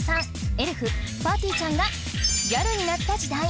エルフぱーてぃーちゃんがギャルになった時代。